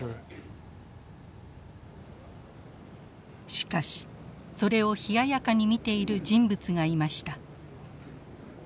しかしそれを冷ややかに見ている人物がいました。